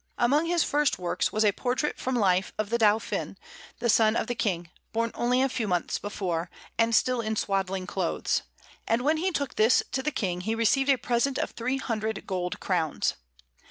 Among his first works was a portrait from life of the Dauphin, the son of the King, born only a few months before, and still in swaddling clothes; and when he took this to the King, he received a present of three hundred gold crowns.